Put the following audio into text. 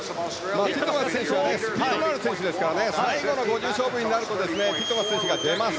ティットマス選手はスピードある選手なので最後の５０勝負になるとティットマス選手が出ます。